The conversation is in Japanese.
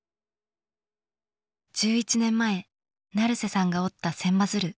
１１年前成瀬さんが折った千羽鶴。